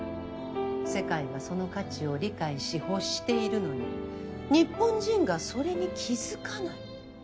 世界がその価値を理解し欲しているのに日本人がそれに気付かない。